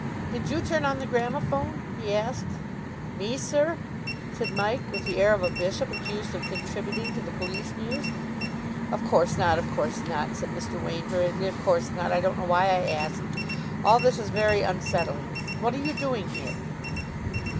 "Did you turn on the gramophone?" he asked. "Me, sir!" said Mike, with the air of a bishop accused of contributing to the Police News. "Of course not, of course not," said Mr. Wain hurriedly. "Of course not. I don't know why I asked. All this is very unsettling. What are you doing here?"